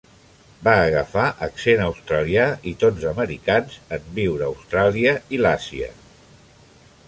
Va agafar accent australià i tons americans en viure a Austràlia i l'Àsia.